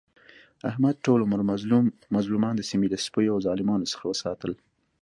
احمد ټول عمر مظلومان د سیمې له سپیو او ظالمانو څخه وساتل.